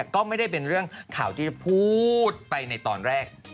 ก็ไม่ได้เป็นเรื่องข่าวที่จะพูดไปในตอนแรก